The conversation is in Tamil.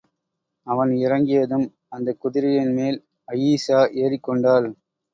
அவன் இறங்கியதும், அந்தக் குதிரையின் மேல் அயீஷா ஏறிக் கொண்டாள்.